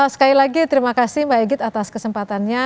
sekali lagi terima kasih mbak egit atas kesempatannya